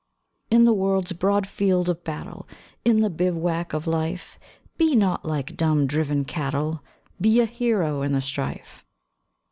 In the world's broad field of battle, In the bivouac of Life, Be not like dumb, driven cattle! Be a hero in the strife!